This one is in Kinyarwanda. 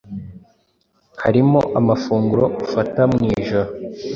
harimo amafunguro ufata mu ijoro